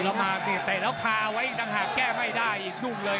ตายแล้วคาเอาไว้อีกโดยทางหากแก้ไม่ได้ยุ่งเลย